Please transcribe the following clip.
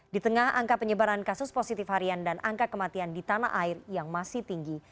di tengah angka penyebaran kasus positif harian dan angka kematian di tanah air yang masih tinggi